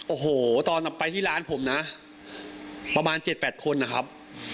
โอ้โหตอนไปที่ร้านผมนะประมาณ๗๘คนนะครับ